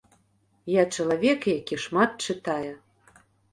Я чалавек, які шмат чытае.